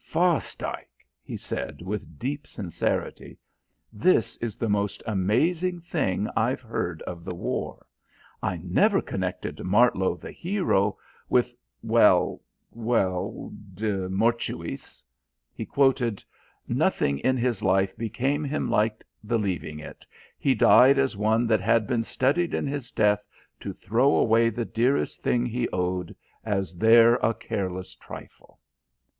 "Fosdike," he said with deep sincerity, "this is the most amazing thing I've heard of the war. I never connected Martlow the hero with well, well de mortuis." He quoted: "'Nothing in his life Became him like the leaving it; he died As one that had been studied in his death To throw away the dearest thing he owed As 'there a careless trifle.'